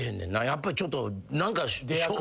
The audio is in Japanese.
やっぱりちょっと。